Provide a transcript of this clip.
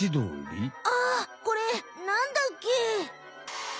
あこれ何だっけ？